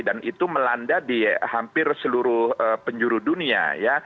dan itu melanda di hampir seluruh penjuru dunia